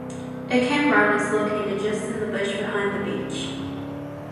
A campground is located just in the bush behind the beach.